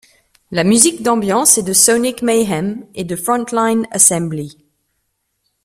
La musique d'ambiance est de Sonic Mayhem et de Front Line Assembly.